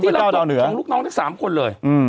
ทั้งลูกน้องทั้ง๓คนเลย